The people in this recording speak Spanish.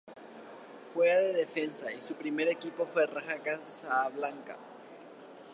Juega de defensa y su primer equipo fue Raja Casablanca.